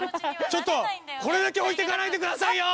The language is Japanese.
ちょっとこれだけ置いていかないでくださいよ！